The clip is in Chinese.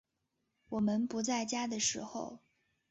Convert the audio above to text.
我们不在家的时候